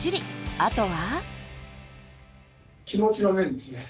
あとは。